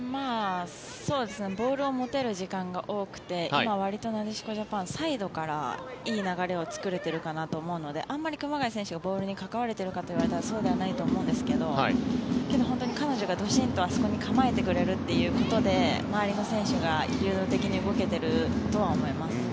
ボールを持てる時間が多くて今、わりとなでしこジャパンサイドからいい流れを作れているかなと思うのであまり熊谷選手がボールに関われてるかといわれるとそうではないと思うんですけどけど、彼女がどしんとあそこに構えてくれることで周りの選手が流動的に動けているとは思います。